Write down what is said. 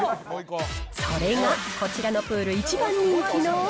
それが、こちらのプール一番人気の。